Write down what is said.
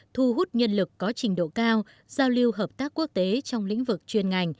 thu hút nhân lực có trình độ cao giao lưu hợp tác quốc tế trong lĩnh vực chuyên ngành